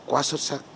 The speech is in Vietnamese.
quá xuất sắc